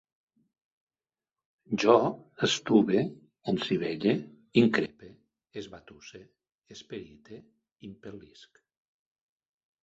Jo estube, ensivelle, increpe, esbatusse, esperite, impel·lisc